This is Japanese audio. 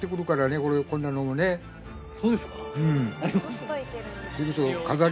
そうですか？